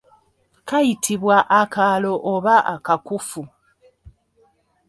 Kayitibwa akaalo oba akakufu.